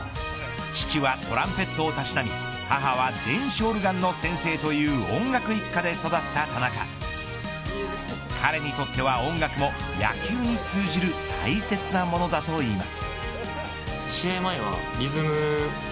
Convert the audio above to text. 父はトランペットをたしなみ母は電子オルガンの先生という音楽一家で育った田中彼にとっては音楽も野球に通じる大切なものだといいます。